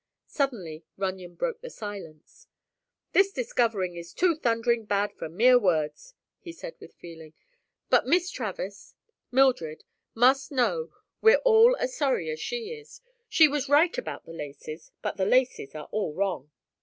Suddenly Runyon broke the silence. "This discovery is too thundering bad for mere words," he said with feeling; "but Miss Travers—Mildred—must know we're all as sorry as she is. She was right about the laces, but the laces are all wrong.